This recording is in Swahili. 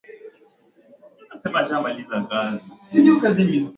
kwa ukaribu na Jackson badala ya kuuliza maswali ya moja kwa moja